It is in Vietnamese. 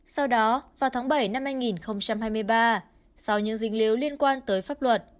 sau đó vào tháng bảy năm hai nghìn hai mươi ba sau những dính líu liên quan tới pháp luật